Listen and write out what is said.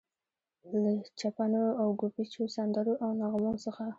له چپنو او ګوبیچو، سندرو او نغمو څخه.